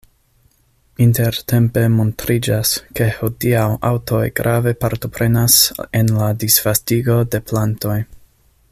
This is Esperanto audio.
Intertempe montriĝas, ke hodiaŭ aŭtoj grave partoprenas en la disvastigo de plantoj.